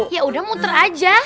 yaudah muter aja